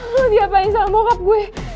lu diapain sama bokap gue